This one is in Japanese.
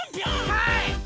はい！